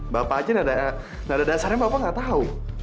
bapak aja nada dasarnya bapak nggak tahu